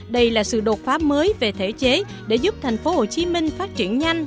đây là sự đột phá mới về thể chế để giúp tp hcm phát triển nhanh